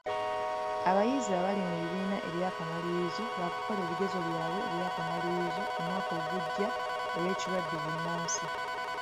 Abayizi ababali mu bibiina eby'akamalirizo baakukola ebigezo byabwe aby'akamalirizo omwaka ogujja olw'ekirwadde bbunansi.